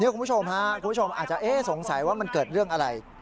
คุณผู้ชมอาจจะสงสัยว่ามันเกิดเรื่องอะไร